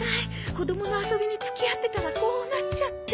子供の遊びに付き合ってたらこうなっちゃって。